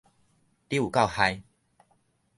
你有夠害